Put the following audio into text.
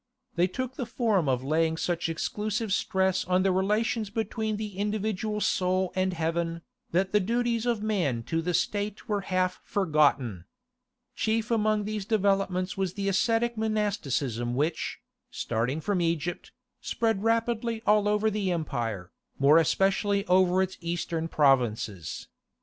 They took the form of laying such exclusive stress on the relations between the individual soul and heaven, that the duties of man to the State were half forgotten. Chief among these developments was the ascetic monasticism which, starting from Egypt, spread rapidly all over the empire, more especially over its eastern provinces.